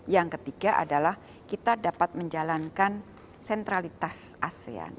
yang ketiga adalah kita dapat menjalankan sentralitas asean